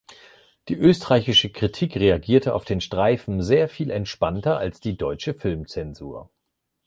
Die österreichische Kritik reagierte auf den Steifen sehr viel entspannter als die deutsche Filmzensur.